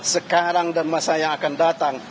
sekarang dan masa yang akan datang